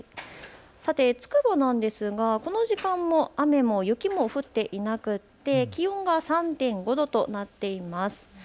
つくばなんですがこの時間も雨も雪も降っていなくて、気温が３．５度となっています。